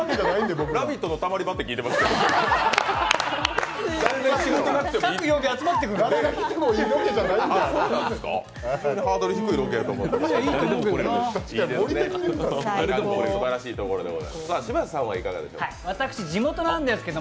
「ラヴィット！」のたまり場って聞いてますけど。